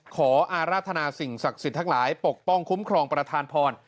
อาราธนาสิ่งศักดิ์สิทธิ์ทั้งหลายปกป้องคุ้มครองประธานพร